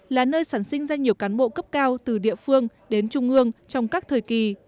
là nơi sản sinh ra nhiều cán bộ cấp cao từ địa phương đến trung ương trong các thời kỳ